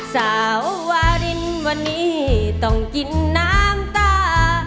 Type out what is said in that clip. สาววารินวันนี้ต้องกินน้ำตา